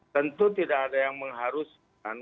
tentu tidak ada yang mengharuskan